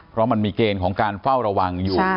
เพราะมันมีเกณฑ์ของการเฝ้าระวังอยู่